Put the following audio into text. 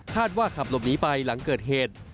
ว่าขับหลบหนีไปหลังเกิดเหตุ